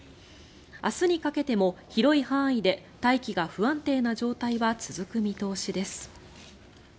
明日にかけても広い範囲で大気が不安定な状態は続く見通しです。